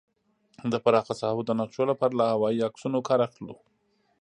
د پراخه ساحو د نقشو لپاره له هوايي عکسونو کار اخلو